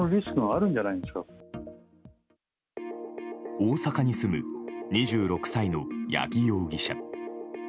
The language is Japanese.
大阪に住む２６歳の八木容疑者。